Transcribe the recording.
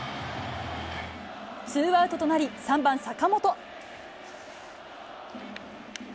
ツーアウトとなり３番坂本。